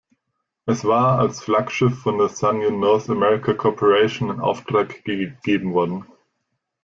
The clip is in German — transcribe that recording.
Es war als Flaggschiff von der Sanyo North America Corporation in Auftrag gegeben worden.